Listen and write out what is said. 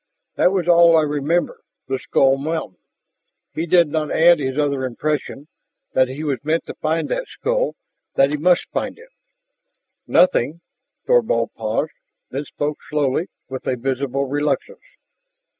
"That was all I remember the skull mountain." He did not add his other impression, that he was meant to find that skull, that he must find it. "Nothing...." Thorvald paused, and then spoke slowly, with a visible reluctance.